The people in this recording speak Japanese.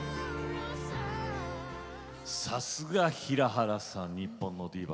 さすが平原さん日本のディーバ。